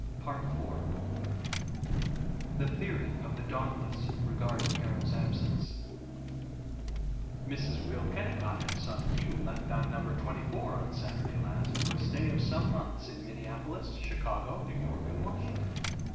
IV The theory of the Dauntless regarding Carol's absence: Mrs. Will Kennicott and son Hugh left on No. 24 on Saturday last for a stay of some months in Minneapolis, Chicago, New York and Washington.